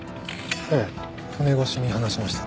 ええ船越しに話しました。